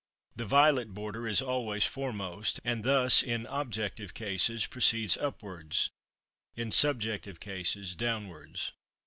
The violet border is always foremost, and thus in objective cases proceeds upwards, in subjective cases downwards.